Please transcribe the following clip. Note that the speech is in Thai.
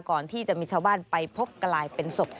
ก่อนที่จะมีชาวบ้านไปพบกลายเป็นศพ